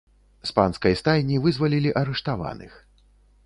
З панскай стайні вызвалілі арыштаваных.